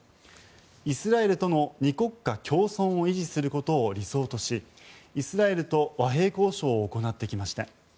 イスラエルとの２国家共存を維持することを理想とし、イスラエルと和平交渉を行ってきました。